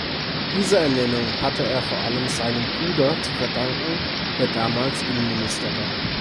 Diese Ernennung hatte er vor allem seinem Bruder zu verdanken, der damals Innenminister war.